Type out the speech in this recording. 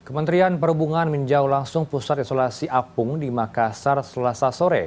kementerian perhubungan menjauh langsung pusat isolasi apung di makassar selasa sore